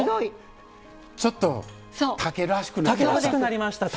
ちょっと竹らしくなりました。